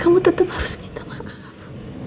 kamu tetap harus minta maaf